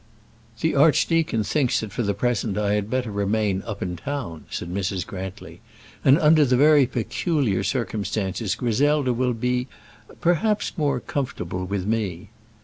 "The archdeacon thinks that for the present I had better remain up in town," said Mrs. Grantly, "and under the very peculiar circumstances Griselda will be perhaps more comfortable with me."